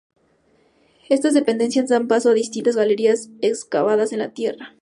Estas dependencias dan paso a distintas galerías excavadas en la tierra.